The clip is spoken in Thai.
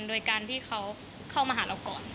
โดยการที่เขาเข้ามาหาเราก่อน